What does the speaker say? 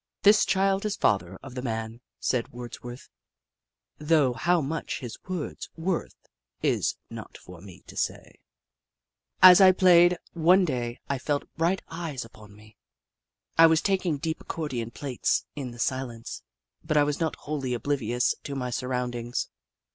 " The child is father of the man," said Wordsworth, though how much his word 's worth it is not for me to say. Jenny Ragtail 171 As I played, one day, I felt bright eyes upon me, I was taking deep accordion plaits in the silence, but I was not wholly oblivious to my surroundings.